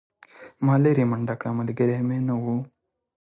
ما لیرې منډه کړه ملګری مې نه و.